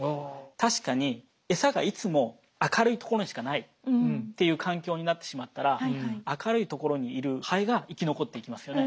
確かにエサがいつも明るい所にしかないっていう環境になってしまったら明るい所にいるハエが生き残っていきますよね。